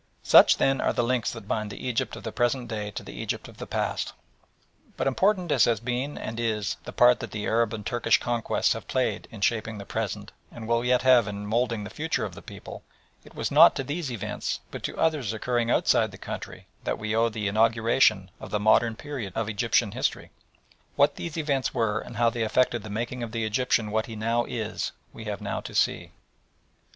Such, then, are the links that bind the Egypt of the present day to the Egypt of the past, but important as has been, and is, the part that the Arab and Turkish conquests have played in shaping the present and will yet have in moulding the future of the people, it was not to these events but to others occurring outside the country that we owe the inauguration of the modern period of Egyptian history. What these events were and how they affected the making of the Egyptian what he now is we have now to see.